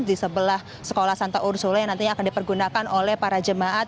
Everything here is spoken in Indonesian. di sebelah sekolah santa ursule yang nantinya akan dipergunakan oleh para jemaat